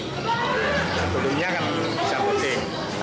sebelumnya kan bisa nukih